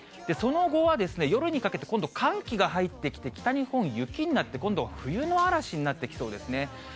その後は夜にかけて今度寒気が入ってきて、北日本、雪になって、今度冬の嵐になってきそうですね。